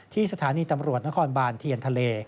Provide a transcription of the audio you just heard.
สถานีตำรวจนครบานเทียนทะเล